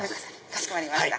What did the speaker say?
かしこまりました。